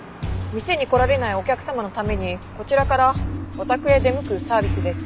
店に来られないお客様のためにこちらからお宅へ出向くサービスです。